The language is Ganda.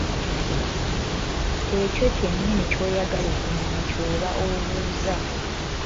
Ekyo kyennyini ky’oyagala okumanya ky’oba obuuza.